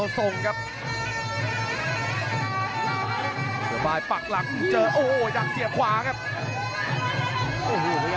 ซ้าย่างเดียวครับผู้ต้นน้อย